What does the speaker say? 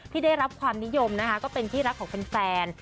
ได้รับความนิยมนะคะก็เป็นที่รักของแฟน